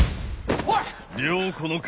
おい！